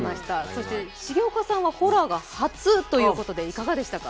重岡さんはホラーが初ということで、いかがでしたか？